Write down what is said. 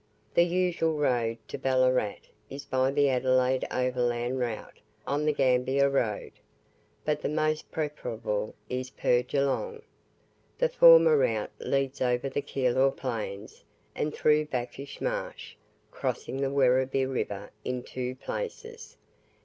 The usual road to Ballarat is by the Adelaide overland route on the Gambier Road; but the most preferable is per Geelong. The former route leads over the Keilor Plains, and through Bacchus Marsh, crossing the Werribee River in two places.